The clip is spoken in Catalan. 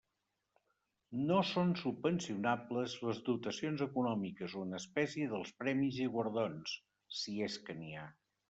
No són subvencionables les dotacions econòmiques o en espècie dels premis i guardons, si és que n'hi ha.